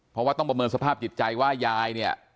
เพราะว่าต้องประเมินสภาพจิตใจว่ายายเนี่ย